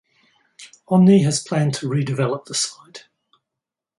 Omni has planned to redevelop the site.